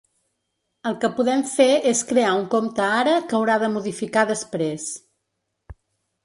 El que podem fer és crear un compte ara que haurà de modificar després.